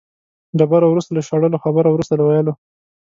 ډبره وروسته له شړلو، خبره وروسته له ویلو.